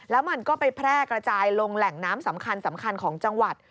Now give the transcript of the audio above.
แล้วมันก็ไปแพร่กระจายลงแหล่งน้ำสำคัญของจังหวัด